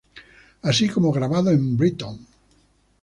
Así como grabado en Brighton.